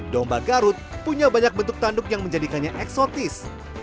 domba garut punya banyak bentuk tanduk yang menjadikannya eksotis